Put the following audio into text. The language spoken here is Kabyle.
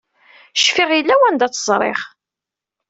Cfiɣ yella wanda i tt-ẓriɣ.